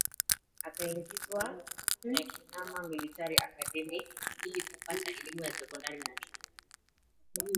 Akaingizwa Nyakinama Military Academy ili kupata elimu ya sekondari na chuo